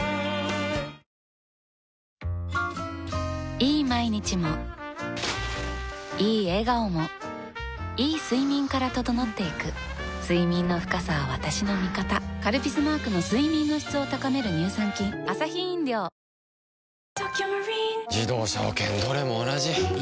いい毎日もいい笑顔もいい睡眠から整っていく睡眠の深さは私の味方「カルピス」マークの睡眠の質を高める乳酸菌続いてはソラよみです。